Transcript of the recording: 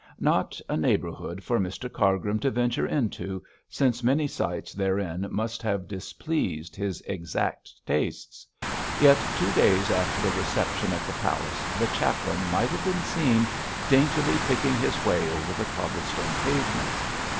Not a neighbourhood for Mr Cargrim to venture into, since many sights therein must have displeased his exact tastes; yet two days after the reception at the palace the chaplain might have been seen daintily picking his way over the cobble stone pavements.